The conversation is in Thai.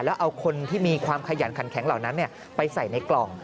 แล้วเอาคนที่มีความขยันขันแข็งเหล่านั้นไปใส่ในกล่อง